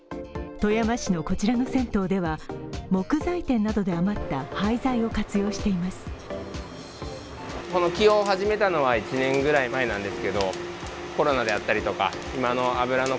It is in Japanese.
富山市のこちらの銭湯では、木材店などで余った廃材を活用しています。